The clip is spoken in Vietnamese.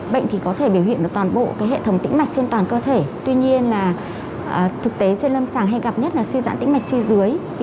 bệnh thì có thể biểu hiện được toàn bộ hệ thống tĩnh mạch trên toàn cơ thể tuy nhiên là thực tế trên lâm sàng hay gặp nhất là suy giãn tĩnh mạch chi dưới